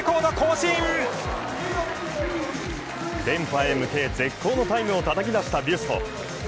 連覇へ向け、絶好のタイムをたたき出したビュスト。